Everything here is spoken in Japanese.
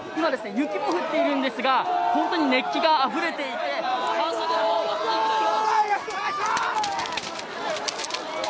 雪も降っているんですが本当に熱気があふれていて半袖でも暑いくらいです。